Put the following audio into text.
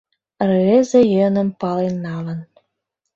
Рвезе йӧным пален налын.